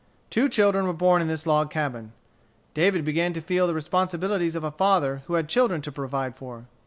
Two children were born in this log cabin. David began to feel the responsibilities of a father who had children to provide for.